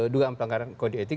dugaan pelanggaran kode etik